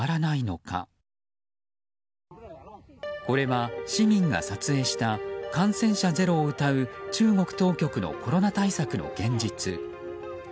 これは、市民が撮影した感染者ゼロをうたう中国当局のコロナ対策の現実。